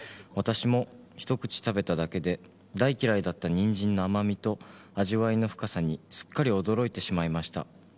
「私もひと口食べただけで大嫌いだったニンジンの甘みと味わいの深さにすっかり驚いてしまいました」